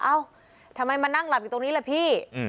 เอ้าทำไมมานั่งหลับอยู่ตรงนี้ล่ะพี่